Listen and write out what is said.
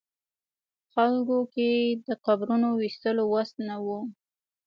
خلکو کې د قبرونو ویستلو وس نه و.